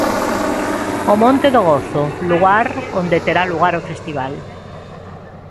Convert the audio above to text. O Monte do Gozo, lugar onde terá lugar o festival.